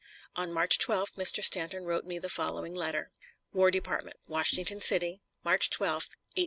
On March 12th Mr. Stanton wrote me the following letter: WAR DEPARTMENT, WASHINGTON CITY, March 12, 1863.